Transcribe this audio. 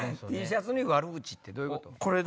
Ｔシャツに悪口どういうこと？